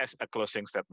terima kasih ibu segda